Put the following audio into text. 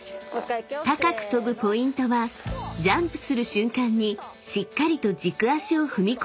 ［高く跳ぶポイントはジャンプする瞬間にしっかりと］